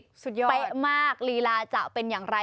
ไปมากลีลาจะเป็นอย่างไร